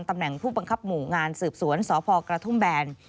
ตำแหน่งผู้บังคับหมู่งานสืบสวนสพกระทุ่มแบน